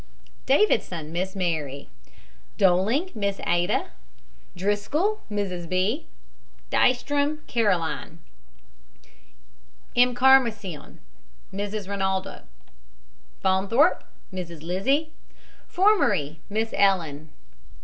DAVIDSON, MISS MARY. DOLING, MISS ADA. DRISCOLL, MRS. B. DEYSTROM, CAROLINE. EMCARMACION, MRS. RINALDO. FAUNTHORPE, MRS. LIZZIE FORMERY, MISS ELLEN.